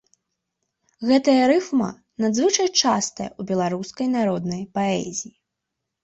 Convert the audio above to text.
Гэтая рыфма надзвычай частая ў беларускай народнай паэзіі.